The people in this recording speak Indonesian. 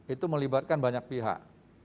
itu melibatkan banyak pihak